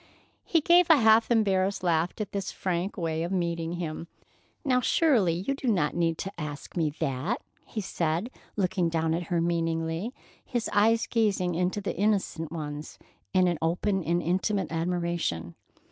He gave a half embarrassed laugh at this frank way of meeting him. "Now, surely, you do not need to ask me that," he said, looking down at her meaningly, his eyes gazing into the innocent ones in open and intimate admiration.